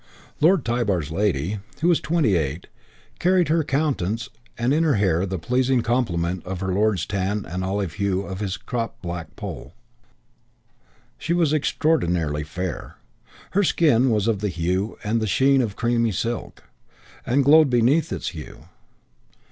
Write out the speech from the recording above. Lord Tybar's lady, who was twenty eight, carried in her countenance and in her hair the pleasing complement of her lord's tan and olive hue and of his cropped black poll. She was extraordinarily fair. Her skin was of the hue and of the sheen of creamy silk, and glowed beneath its hue.